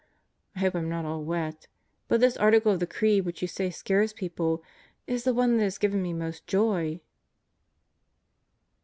... I hope I'm not all wet. But this Article of the Creed, which you say scares people, is the one that has given me most joy."